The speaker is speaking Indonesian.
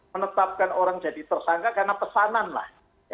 menetapkan orang jadi tersangka karena pesanan lah